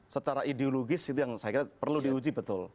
secara ideologis itu yang saya kira perlu diuji betul